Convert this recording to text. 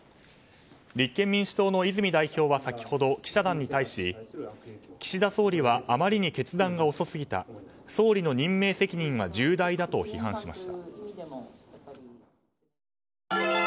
立憲民主党の泉代表は先ほど記者団に対し岸田総理はあまりに決断が遅すぎた総理の任命責任は重大だと批判しました。